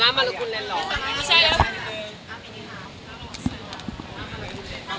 มีปิดฟงปิดไฟแล้วถือเค้กขึ้นมา